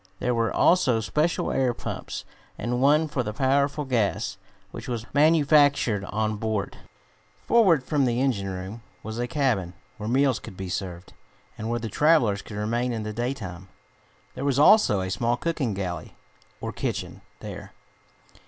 There were also special air pumps, and one for the powerful gas, which was manufactured on board. Forward from the engine room was a cabin, where meals could be served, and where the travelers could remain in the daytime. There was also a small cooking galley, or kitchen, there.